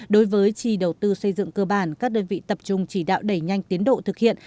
đối với chi đầu tư xây dựng cơ bản các đơn vị tập trung chỉ đạo đẩy nhanh tiến độ thực hiện